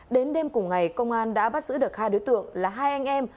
đến đêm cùng ngày công an đã bắt giữ được hai đối tượng là hai anh em